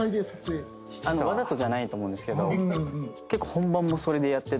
わざとじゃないと思うんですけど結構本番もそれでやってたぐらい。